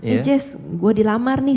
iya jess gue dilamar nih